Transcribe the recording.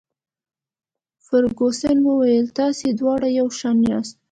فرګوسن وویل: تاسي دواړه یو شان یاست.